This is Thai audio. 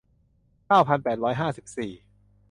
เก้าพันแปดร้อยห้าสิบสี่